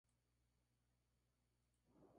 Se encuentra en los Estados Unidos.